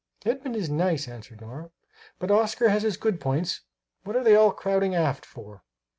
"Edmund is nice," answered Nora, "but Oscar has his good points what are they all crowding aft for?"